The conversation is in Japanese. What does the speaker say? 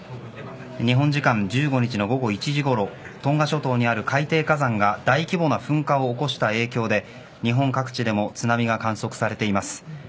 日本時間、１５日の午後１時ごろトンガ諸島にある海底火山が大規模な噴火を起こした影響で日本各地でも津波が観測されています。